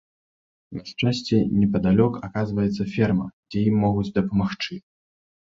На шчасце, непадалёк аказваецца ферма, дзе ім могуць дапамагчы.